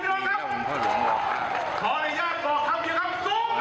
สู้ไปสู้สู้ไปสู้สู้ไปสู้พี่น้องครับ